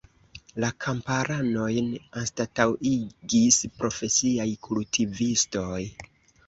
La kamparanojn anstataŭigis profesiaj kultivistoj.